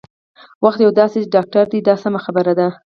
وخت یو داسې ډاکټر دی دا سمه خبره ده.